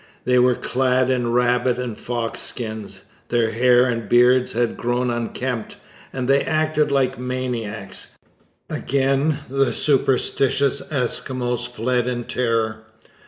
They were clad in rabbit and fox skins. Their hair and beards had grown unkempt, and they acted like maniacs. Again the superstitious Eskimos fled in terror.